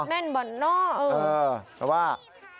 ใครใช่หรือเปล่า